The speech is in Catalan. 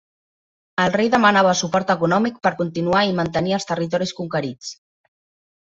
El rei demanava suport econòmic per continuar i mantenir els territoris conquerits.